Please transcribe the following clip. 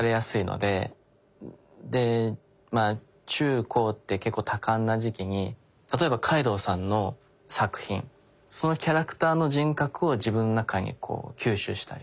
でまぁ中高って結構多感な時期に例えば海堂さんの作品そのキャラクターの人格を自分の中に吸収したり。